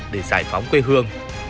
để giải phóng quê hương